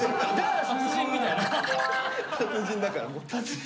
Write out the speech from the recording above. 達人だからもう。